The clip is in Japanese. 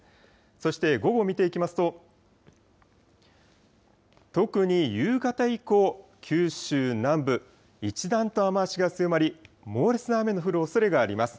そして午後を見ていきますと、特に夕方以降、九州南部、一段と雨足が強まり、猛烈な雨の降るおそれがあります。